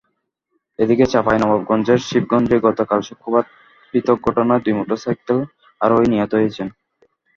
এদিকে চাঁপাইনবাবগঞ্জের শিবগঞ্জে গতকাল শুক্রবার পৃথক দুর্ঘটনায় দুই মোটরসাইকেল আরোহী নিহত হয়েছেন।